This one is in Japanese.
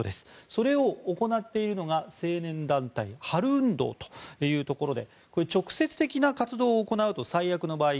それを行っているのが青年団体、春運動というところでこれは直接的な活動を行うと最悪の場合